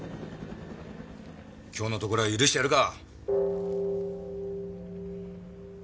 今日のところは許してやるか。